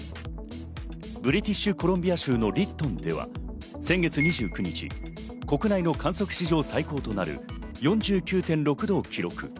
ブリティッシュ・コロンビア州のリットンでは、先月２９日、国内の観測史上最高となる４９．６度を記録。